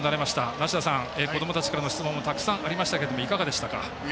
梨田さん、こどもたちからの質問たくさんありましたけどいかがでしたか？